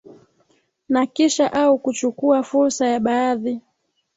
na kisha au kuchukua fursa ya baadhi